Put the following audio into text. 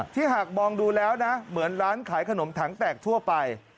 หากมองดูแล้วนะเหมือนร้านขายขนมถังแตกทั่วไป